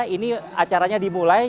ini acaranya dimulai